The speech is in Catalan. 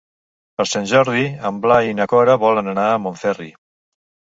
Per Sant Jordi en Blai i na Cora volen anar a Montferri.